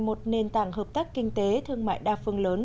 một nền tảng hợp tác kinh tế thương mại đa phương lớn